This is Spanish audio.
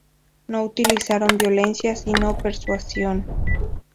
No utilizaron violencia sino persuasión.